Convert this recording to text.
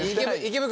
池袋？